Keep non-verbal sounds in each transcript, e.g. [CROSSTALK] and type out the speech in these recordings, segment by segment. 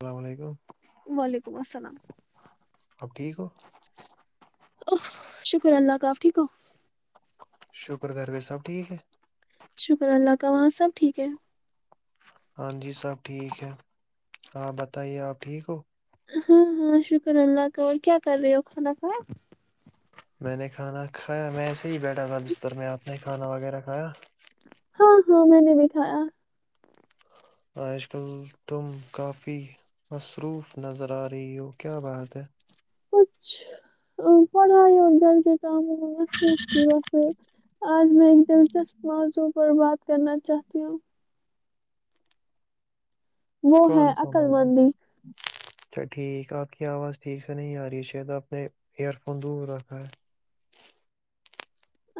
السلام علیکم وعلیکم السلام آپ ٹھیک ہو ا شکر اللہ کاف ٹھیک ہو شکر کرار بھی سب ٹھیک ہے شکر اللہ کا وہاں سب ٹھیک ہے ہاں جی سب ٹھیک ہے ہاں بتائیے آپ ٹھیک ہو ہاں ہاں شکر اللہ کا اور کیا کر رہے ہو کھانا کھا میں نے کھانا کھایا میں ایسے ہی بیٹھا تھا جسستر میں آپ نے کھانا وغیرہ کھایا ہاں ہاں میں نے بھی کایا آج کل تم کافی مصروف نظر آ رہے رہی ہو کیا بات ہے کچھ پڑھائی اور جل کے تس روپتی و پھر [INAUDIBLE] آج میں آک دلچسپ موازو [UNINTELLIGIBLE] پر بات کرنا چاہتی ہوں وہ ہے کون سا عقل موضوع مندی اچھا ٹھیک آپ کی آواز ٹھیک سے نہیں آ رہی شاید آپ نے ایئر فون دور رکھا ہے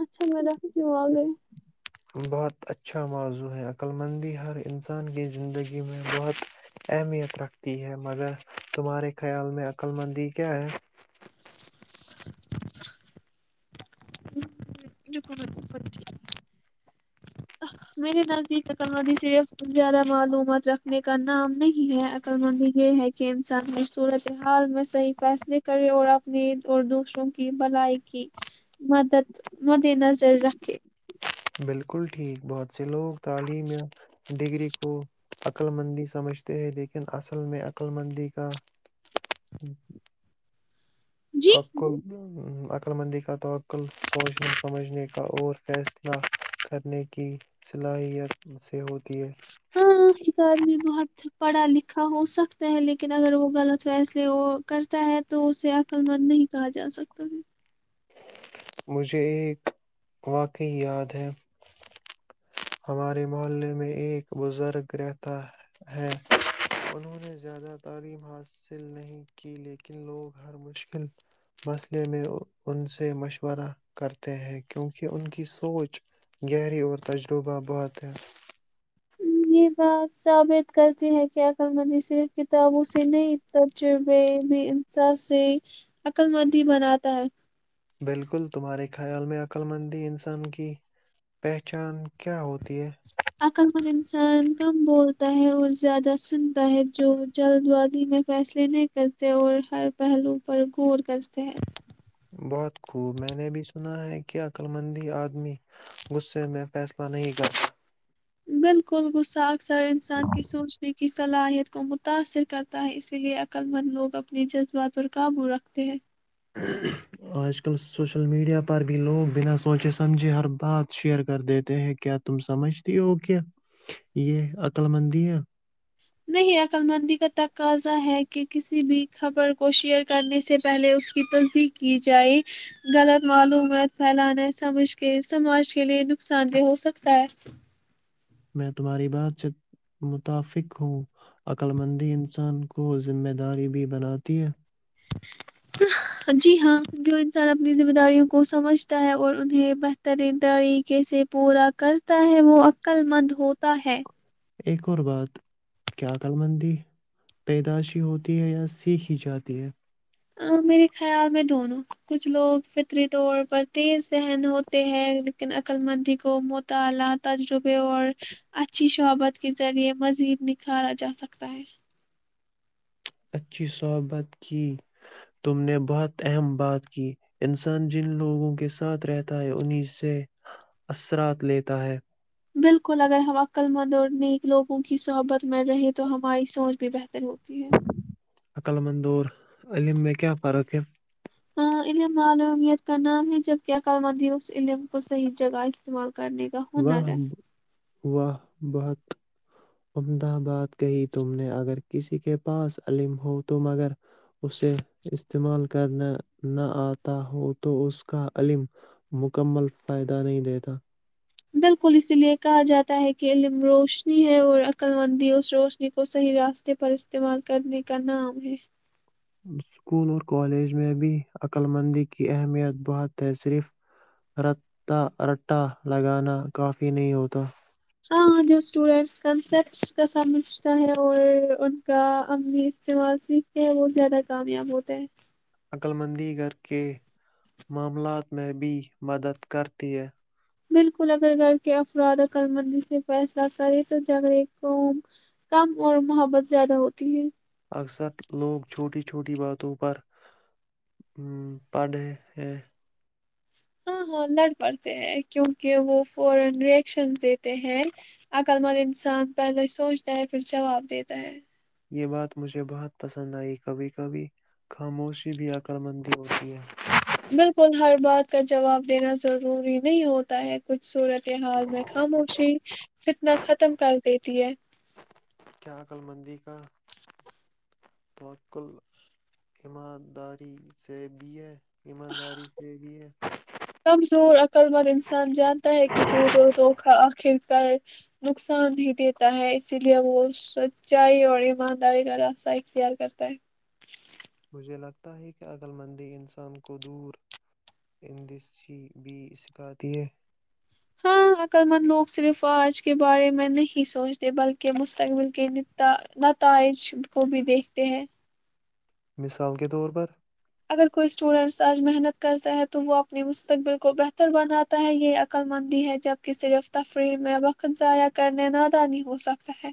اچھا میں رکھتی ہوں آگے بہت اچھا موضوع ہے عقل مندی ہر انسان کی زندگی میں بہت اہمیت رکھتی ہے مگر تمہارے خیال میں عقللمندی کیا ہے میرے نزدیک عقل مندی صرف زیادہ معلومات رکھنے کا نام نہیں ہے عقل مندی یہ ہے کہ انسان خب صورت حال میں صحیح فیصلے کرے اور اپنے اور دوسروں کی بھلائی کی مدد مد نظر رکھے بالکل ٹھیک بہت ج سے لوگ تعلیم یا ڈگری کو عقللمندی سمجھتے ہیں لیکن اصل میں عقللمندی کا جی تو [UNINTELLIGIBLE] عقلمندی کا توقل سوچنے سمجھنے کا اور فیصلہ کرنے کی صلاحیت سے ہوتی ہے ہاں ایک آدمی بہت پڑھا لکھا ہو سکتا ہے لیکن اگر وہ غلط فیصلے کرتا ہے تو اسے عقل مند نہیں کہا جا سکتا مجھے ایک واقعی یاد ہے ہمارے محلے میں ایک بزرگ رہتا ہے انہوں نے زیادہ تعلیم حاصل نہیں کی لیکن لوگ ہر مشکل مسئلے میں ان سے مشورہ کرتے ہیں کیونکہ ان کی سوچ گہری اور تجہ روبہ بہت ہے یہ بات ثابت کرتی ہے کہ عقل مندی صرف کتابوں سے نہیں تجربے بھی انسا سے عقل مندی بناتا ہے بالکل تمہارے خیال میں عقللمندی انسان کی پہچان کیا ہوتی ہے عقل مند انسان کم بولتا ہے اور زیادہ سنتا ہے جو جلد بازی میں فیصلے نہیں کرتے اور ہر پہلو پر غور کرتے ہیں بہت خوب میں نے بھی سنا ہے کیا عقللمندی آدمی غے میں فیصلہ نہیں کر بالکل گس آ سارے انسان کی سوچنے کی کی صلاحیت کو متاثر کرتا ہے اسی لیے عقل مند لوگ اپنے جذبات پر قابو رکھتے ہیں آج کل سوشل میڈیا پر بھی لوگ بنا سوچے سمجھے ہر بات شیئر کر دیتے ہیں کیا تم سمجھتی ہو کیا یہ عقللمندیا نہیں عقللمندی کا تقاضا ہے کہ کسی بھی خبر کو شیئر کرنے سے پہلے اس کی تصدیق کی جائے غلط معلومات پھیلانا سمجھ کے سماج کے لئے نقصان دہ ہو سکتا ہے میں تمہاری بات سے متفق ہوں عقللمندی انسان کو ذمہ داری بھی بناتی ہے جی ہاں جو انسان اپنی ذمہ داریوں کو سمجھتا ہے اور انہیں بہترین طریقے سے پورا کرتا ہے وہ عقل مند ہوتا ہے ایک اور بات کیا عقلمندی پیدائشی ہوتی ہے یا سیکھی جاتی ہے ا میرے خیال میں دونوں کچھ لوگ فطری طور پر تیز ذہن ہوتے ہیں لیکن عقللمندی کو مطالعہ تجربے اور اچھی شحبت کے ذریعے مزید نکھارا جا سکتا ہے [INAUDIBLE] اچھی صحبت کی تم نے بہت اہم بات کی انسان جن لوگوں کے ساتھ رہتا ہے انہی سے اثرات لیتا ہے بالکل اگر ہم عقللمند اور نیک لوگوں کی صحبت مر رہے تو ہماری سوچ بھی بہتر ہوتی ہے عقل مندور علم میں کیا فرق ہے ہ علم معلومیت کا نام ہے جب کیا ک مدھی اس علم کو صحیح جگہ استعمال کرنے کا ہنر واہ ہے واہ بہت امد آباد کہی تم نے اگر کسی کے پاس عم ہو تو مگر اسے استعمال کرنا نہ آتا ہو تو اس کا علم مکمل فائدہ نہیں دیتا بالکل اسی لئے کہا جاتا ہے کہ علم روشنی ہے اور عقللمندی اس روشنی کو صحیح راستے پر استعمال کرنے کا نام ہے اسکول اور کالج میں بھی عقلمندی کی اہمیت بہت ہے صرف رتا رٹا لگانا کافی نہیں ہوتا ہاں ہاں جو اسٹوڈینٹس کنسپٹس کا سمجھتا ہے اور ان کا عملی استعمال سیکھتے ہیں وہ زیادہ کامیاب ہوتا ہے عقلمندی گھر کے معاملات میں بھی مدد کرتی ہے بالکل اگر گھر کے افراد عقل مندی سے فیصلہ کرے تو جگڑے کووم کم اور محبت زیادہ ہوتی ہے اکثر لوگ چھوٹی چھوٹی باتوں پر ا پڑھے ہیں [UNINTELLIGIBLE] یہ بات مجھے بہت پسند آئی کبھی کبھی خاموشی بھی عکر مندی ہوتی ہے بالکل ہر بات کا جواب دینا ضروری نہیں ہوتا ہے کچھ صورج ف حال میں خ موشی فتنا ختم کر دیتی ہے کیا عقللمندی کا مقل ایمداری سے بھی ہے ایمانداری سے بھی ہے نقل وند انسان جانتا ہے کہ چوٹ اور دوکھا آخر پر نقصان ہی دیتا ہے اسی لیے وہ سچائی اور ایمانداری کا راستہ اختیار کرتا ہے مجھے لگتا ہے کہ عقل مندی انسان کو دور اندچی بھی سکھاتی ہے ہاں عقل مند لوگ صرف آج کے بارے میں نہیں سوچتے بلکہ مستقبل کے نتائج کو بھی دیکھتے ہیں مثال کے طور پر اگر کوئی اسٹوڈنٹس آج محنت کرتا ہے تو وہ اپنے مستقبل کو بہتر بناتا ہے یہ عقللمندی ہے جبکہ صرف تفریح میں وقت ضائع کرنے نادہ نہیں ہوسکتا ہے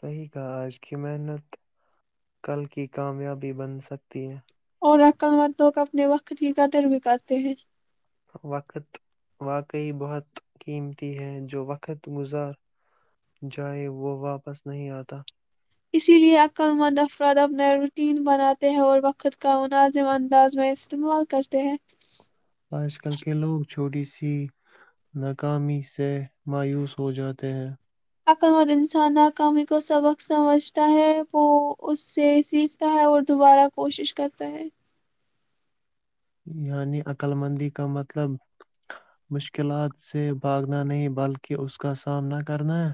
صحیح کہا آج کی محنت کل کی کامیابی بن سکتی ہے اور عقل وت لوگ اپنے وقت کی قدر بھی کرتے ہیں وقت واقعی بہت قیمتی ہے جو وقت گزار جائے وہ واپس نہیں آتا اسی لیے عقل مند افراد اپنا روٹین بناتے ہیں اور وقت کا مناظم انداز میں استعمال کرتے ہیں آج کل کے لوگ چھوٹی سی ناکامی سے مایوس ہو جاتے ہیں [UNINTELLIGIBLE] [UNINTELLIGIBLE] یعنی عقلمندی کا مطلب مشکلات سے بھاگنا نہیں بلکہ اس کا سامنا کرنا ہے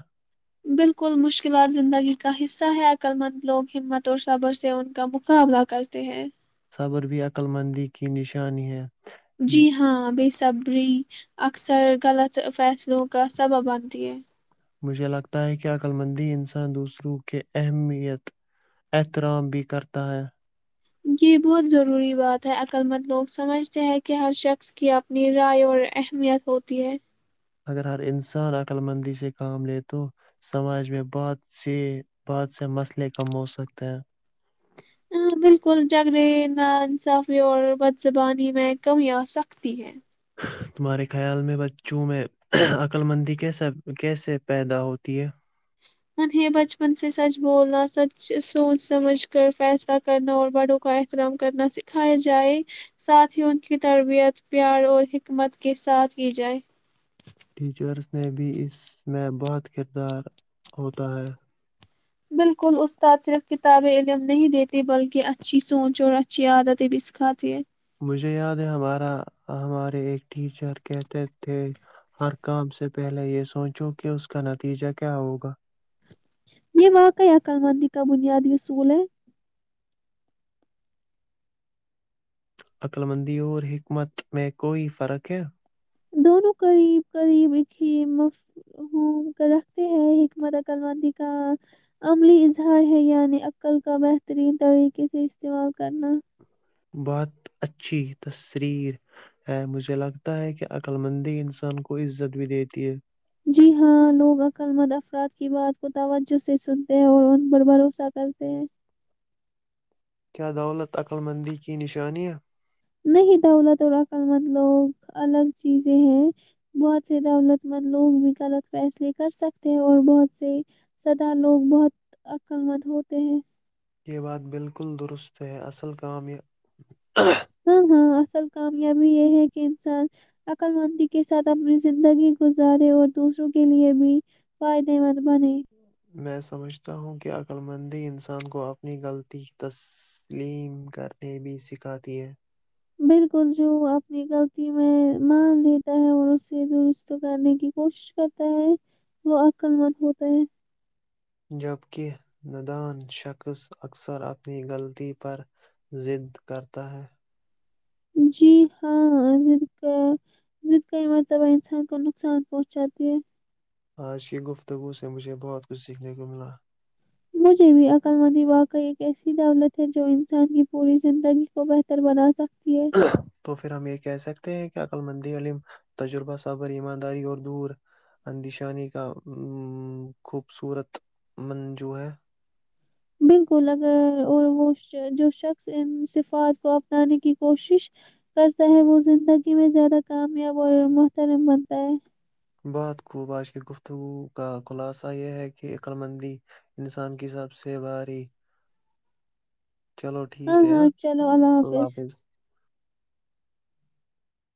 بالکل مشکلات زندگی کا حصہ ہے عقل مند لوگ ہمت اور صبر سے ان کا مقابلہ کرتے ہیں صبر بھی عقلمندی کی نشان ہے جی ہاں بےسبری اکثر غلط فیصلوں کا سبب بنتی ہے مجھے لگتا ہے کہ عقللمندی انسان دوسروں کے اہمیت احترام بھی کرتا ہے یہ بہت ضروری بات ہے عقل مند لوگ سمجھتے ہیں کہ ہر شخص کی اپنی رائے اور اہمیت ہوتی ہے اگر ہر انسان عقللمندی سے کام لے تو سماج میں سے بعد سے مسئلے کم ہوسکتے ہے جگڑے ناانصافی اور بد زبانی میں کمیاں سختی ہیں [UNINTELLIGIBLE] تمہارے خیال میں بچوں میں عقللمندی کیسا کیسے پیدا ہوتی ہے [UNINTELLIGIBLE] [UNINTELLIGIBLE] ٹھیکچر [UNINTELLIGIBLE] نے بھی اس میں بہت کردار ہوتا ہے [UNINTELLIGIBLE] بالکل استاد صرف کتاب علم نہیں دیتے بلکہ اچھی سوچ اور اچھی عادتیں بھی سکھاتی ہے مجھے یاد ہے ہمارا ہمارے ایک ٹیچر کہتے تھے [UNINTELLIGIBLE] ہر کام سے پہلے یہ سوچو کہ اس کا نتیجہ کیا ہوگا یہ واںقع عقللمندی کا بنیادی اصول ہے عقلمندی اور حکمت میں کوئی فرق ہے دونوں قریب قریب رکھتے ہیں حکمت عقل وندی کا عملی اظہار ہے یعنی عقل کا بہترین طریقے سے استعمال کرنا بہت اچھی تشرییر ہے مجھے لگتا ہے کہ عقللمندی انسان کو عزت بھی دیتی ہے جی ہاں لوگ عق مند افراد کی بات کو توجہ سے سنتے ہیں اور ان پر بھروسہ کرتے ہیں کیا دولت عقلمندی کی نشانی ہے نہیں دولت اور عقل مند لوگ الگ چیزیں ہیں بہت سے دولت مند لوگ بھی غلط فیصلے کر سکتے ہیں اور بہت سے سدا لوگ بہت عقل مند ہوتے ہیں یہ بات بالکل درست ہے اصل کام یہ [INAUDIBLE] ہاں ہاں اصل کامیابی یہ ہے کہ انسان عقل مندی کے ساتھ اپنی زندگی گزارے اور دوسروں کے لیے بھی فائدے مند بنے میں سمجھتا ہوں کہ عقلمندی انسان کو اپنی غلطی تسلیم کرنے بھی سکھاتی ہے بالکل جو اپنی غلطی میں مان لیتا ہے اور اسے درست کرنے کی کوشش کرتا ہے وہ عقل مند ہوتا ہے جبک ندان شخص اکثر اپنی غلطی پر د کرتا ہے [INAUDIBLE] جی ہاں د کا ضد کا ہی مرتبہ انسان کو نقصان پہنچاتی ہے آج کی گفتگو سے مجھے بہت کچھ سیکھنے کو ملا مجھے بھی عقل وندی واقع ایک ایسی دولت ہے جو انسان کی پوری زندگی کو بہتر بنا سکتا تو پھر ہم یہ کہہ سکتے ہیں کہ [INAUDIBLE] کیا کلمندی عم تجربہ صابر ایمانداری اور دور اندیشانی کا خوبصورت منجو ہے بالکل اگر اور وہ جو شخص ان صفات کو اپنانے کی کوشش کرتا ہے وہ زندگی میں زیادہ کامیاب اور محترم بنتا ہے بعات کو بعش کی گفتگو کا خلاصہ یہ ہے کہ عقلمندی انسان کی سب سے بھاری چلو ٹھیک ہاں ہے ہاں چلو اللہ حافظ